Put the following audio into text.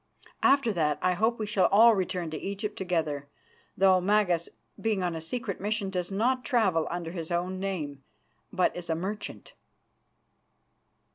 After that I hope we shall all return to Egypt together, though Magas, being on a secret mission, does not travel under his own name, but as a merchant."